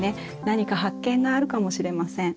何か発見があるかもしれません。